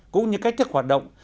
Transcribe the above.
cũng như cách thức hoạt động